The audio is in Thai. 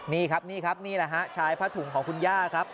นี่ครับนี่ครับนี่แหละฮะชายผ้าถุงของคุณย่าครับ